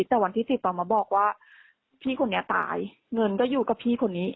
แต่วันที่ติดต่อมาบอกว่าพี่คนนี้ตายเงินก็อยู่กับพี่คนนี้